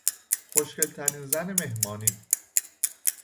خوشگلترین زن مهمانی